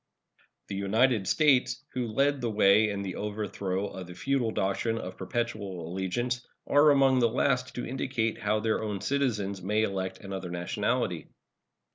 The United States, who led the way in the overthrow of the feudal doctrine of perpetual allegiance, are among the last to indicate how their own citizens may elect another nationality.